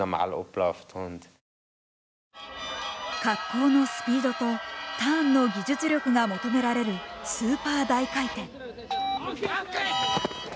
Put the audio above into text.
滑降のスピードとターンの技術力が求められるスーパー大回転。